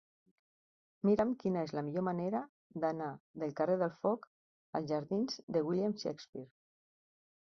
Mira'm quina és la millor manera d'anar del carrer del Foc als jardins de William Shakespeare.